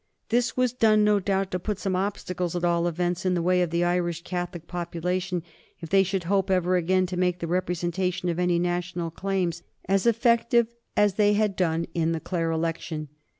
This was done no doubt to put some obstacles, at all events, in the way of the Irish Catholic population if they should hope ever again to make the representation of any national claims as effective as they had done in the Clare election.